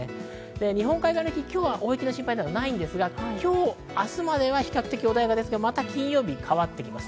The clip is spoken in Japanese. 日本海側の雪、大雪の心配はないですが、今日、明日までは比較的穏やかですが、金曜日に変わってきます。